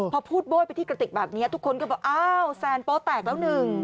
พอพูดโบ้ยไปที่กระติกแบบนี้ทุกคนก็บอกอ้าวแซนโป๊แตกแล้วหนึ่ง